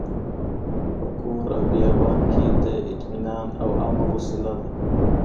په کور او بيابان کي د اطمئنان او امن وسيله ده.